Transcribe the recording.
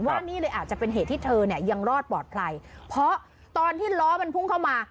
ว่านี่เลยอาจจะเป็นเหตุที่เธอเนี่ยยังรอดปลอดภัยเพราะตอนที่ล้อมันพุ่งเข้ามา